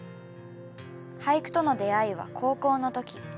俳句との出会いは高校の時。